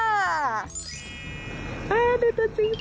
โอ้โฮดูตัวจริง